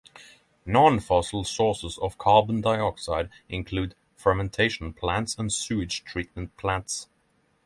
Non-fossil sources of carbon dioxide include fermentation plants and sewage treatment plants.